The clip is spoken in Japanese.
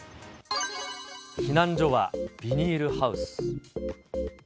避難所はビニールハウス。